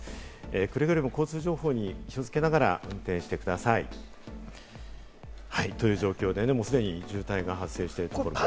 くれぐれも交通情報に気をつけながら運転してください。という状況でね、すでに渋滞が発生しているということですね。